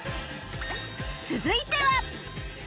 続いては